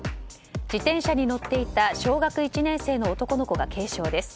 自転車に乗っていた小学１年生の男の子が軽傷です。